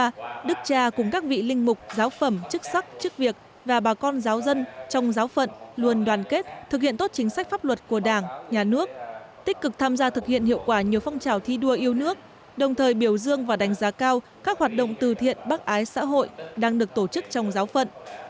hôm qua đức cha cùng các vị linh mục giáo phẩm chức sắc chức việc và bà con giáo dân trong giáo phận luôn đoàn kết thực hiện tốt chính sách pháp luật của đảng nhà nước tích cực tham gia thực hiện hiệu quả nhiều phong trào thi đua yêu nước đồng thời biểu dương và đánh giá cao các hoạt động từ thiện bác ái xã hội đang được tổ chức trong giáo phận